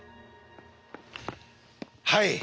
はい。